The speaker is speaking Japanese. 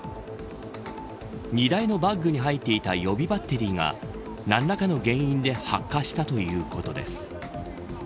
荷台のバッグに入っていた予備バッテリーが何らかの原因で発火したということです。